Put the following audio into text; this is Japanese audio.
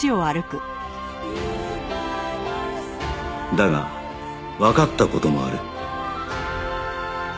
だがわかった事もある